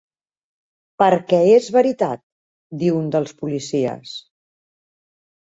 "Per què, és veritat", diu un dels policies.